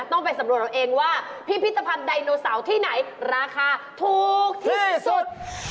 ต้องไปสำรวจเอาเองว่าพิพิธภัณฑ์ไดโนเสาร์ที่ไหนราคาถูกที่สุด